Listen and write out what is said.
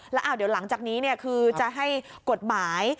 แล้วเดี๋ยวหลังจากนี้คือจะให้กฎหมาย